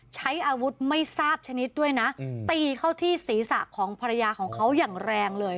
ใช้อาวุธไม่ทราบชนิดด้วยนะตีเข้าที่ศีรษะของภรรยาของเขาอย่างแรงเลย